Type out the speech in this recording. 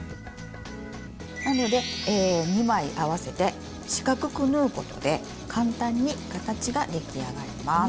なので２枚合わせて四角く縫うことで簡単に形が出来上がります。